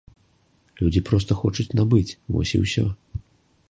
Людзі проста хочуць набыць, вось і ўсё.